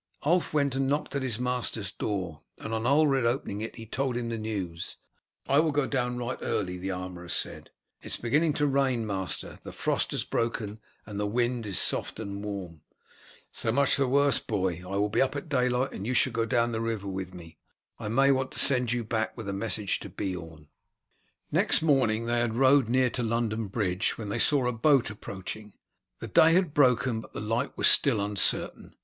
Ulf went and knocked at his master's door, and on Ulred opening it he told him the news. "I will go down right early," the armourer said. "It is beginning to rain, master. The frost has broken, and the wind is soft and warm." "So much the worse, boy. I will be up at daylight, and you shall go down the river with me. I may want to send you back with a message to Beorn." Next morning they had rowed near to London Bridge when they saw a boat approaching. The day had broken, but the light was still uncertain.